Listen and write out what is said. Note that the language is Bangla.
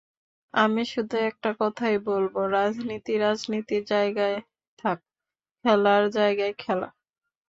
আমি শুধু একটা কথাই বলব, রাজনীতি রাজনীতির জায়গায় থাক, খেলার জায়গায় খেলা।